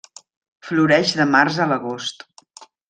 Floreix de març a l'agost.